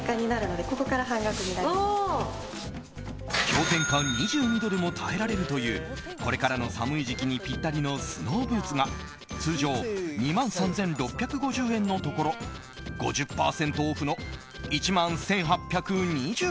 氷点下２２度でも耐えられるというこれからの寒い時期にぴったりのスノーブーツが通常２万３６５０円のところ５０％オフの１万１８２５円。